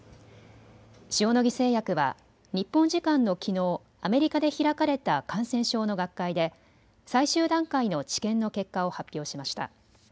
塩野義製薬は日本時間のきのう、アメリカで開かれた感染症の学会で最終段階の治験の結果を発表しました。